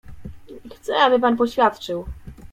"Chcę, aby pan poświadczył."